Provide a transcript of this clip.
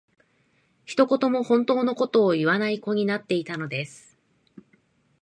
一言も本当の事を言わない子になっていたのです